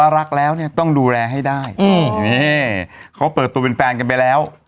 รักแล้วเนี่ยต้องดูแลให้ได้นี่เขาเปิดตัวเป็นแฟนกันไปแล้ว